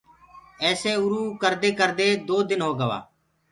ايسي اُروُ ڪردي ڪردي دو دن هوگآ۔